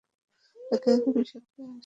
তাকে আগামী সপ্তাহে আসতে বলো।